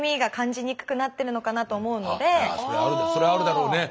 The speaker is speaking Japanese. それあるだろうね！